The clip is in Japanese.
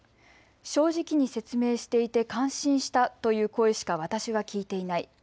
正直に説明していて感心したという声しか私は聞いていない。